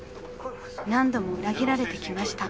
何度も裏切られてきました］